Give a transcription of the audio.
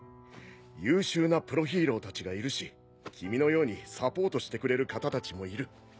優秀なプロヒーローたちがいるし君のようにサポートしてくれる方たちもいる。